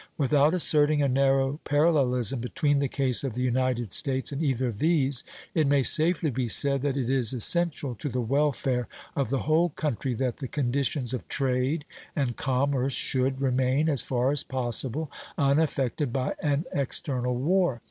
Without asserting a narrow parallelism between the case of the United States and either of these, it may safely be said that it is essential to the welfare of the whole country that the conditions of trade and commerce should remain, as far as possible, unaffected by an external war.